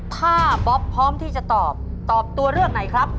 ถ้าบ๊อบพร้อมที่จะตอบตอบตัวเลือกไหนครับ